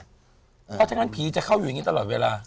เพราะฉะนั้นผีจะเข้าอยู่อย่างนี้ตลอดเวลา